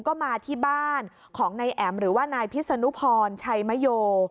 ก็มาที่บ้านของนายแอ๋มหรือว่านายพิษนุพรชัยมโย